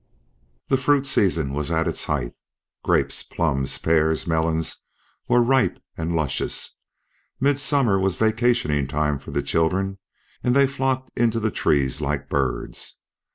The fruit season was at its height. Grapes, plums, pears, melons were ripe and luscious. Midsummer was vacationtime for the children, and they flocked into the trees like birds.